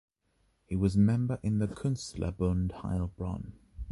He was member in the Künstlerbund Heilbronn.